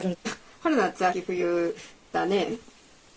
春夏秋冬だね。